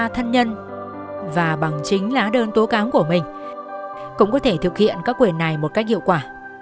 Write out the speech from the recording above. thân nhân và bằng chính lá đơn tố cáo của mình cũng có thể thực hiện các quyền này một cách hiệu quả